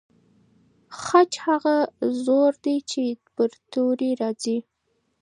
خج هغه زور دی چې پر توري راځي.